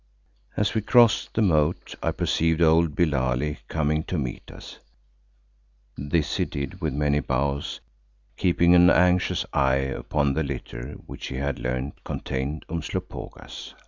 As we crossed the moat I perceived old Billali coming to meet us. This he did with many bows, keeping an anxious eye upon the litter which he had learned contained Umslopogaas.